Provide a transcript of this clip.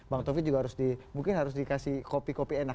bang taufik juga harus di mungkin harus dikasih kopi kopi enak